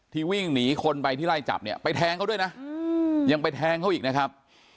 วิ่งหนีคนไปที่ไล่จับเนี่ยไปแทงเขาด้วยนะยังไปแทงเขาอีกนะครับ